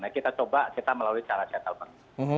nah kita coba kita melalui cara settlement